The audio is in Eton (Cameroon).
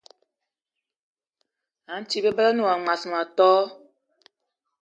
A nti bebela na wa mas ma tó?